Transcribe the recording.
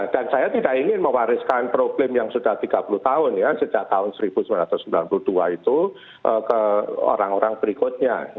dan saya tidak ingin mewariskan problem yang sudah tiga puluh tahun sejak tahun seribu sembilan ratus sembilan puluh dua itu ke orang orang berikutnya